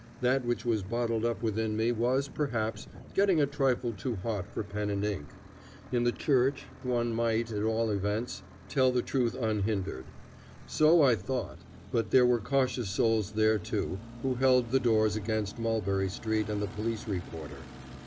That which was bottled up within me was, perhaps, getting a trifle too hot for pen and ink. In the church one might, at all events, tell the truth unhindered. So I thought; but there were cautious souls there, too, who held the doors against Mulberry Street and the police reporter.